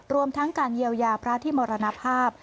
รวมทั้งการเยียวยาพระที่มรณภาพ